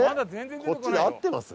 こっちで合ってます？